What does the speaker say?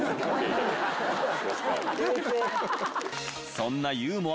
そんなユーモア